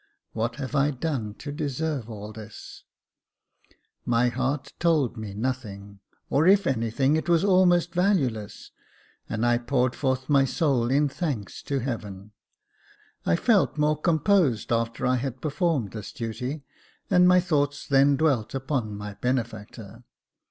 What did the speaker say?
What have I done to deserve all this ?" My heart told me nothing, or if anything, it was almost valueless, and I poured forth my soul in thanks to Heaven. I felt more composed after I had performed this duty, and my thoughts then dwelt upon my benefactor.